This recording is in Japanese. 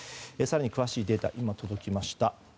更に詳しいデータが届きました。